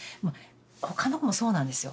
他の子もそうなんですよ。